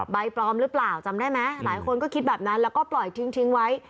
ปลอมหรือเปล่าจำได้ไหมหลายคนก็คิดแบบนั้นแล้วก็ปล่อยทิ้งไว้